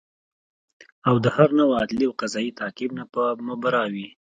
او د هر نوع عدلي او قضایي تعقیب نه به مبرا وي